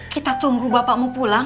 kita tunggu bapakmu pulang